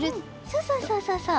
うんそうそうそうそうそう。